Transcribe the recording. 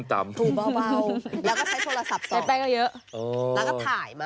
แนคแป๊งอีกเยอะ